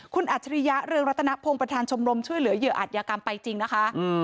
คุณอัจฉริยะเรืองรัตนพงศ์ประธานชมรมช่วยเหลือเหยื่ออัตยากรรมไปจริงนะคะ